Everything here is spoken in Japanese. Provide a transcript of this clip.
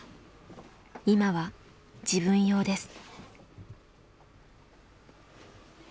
今は自分用です。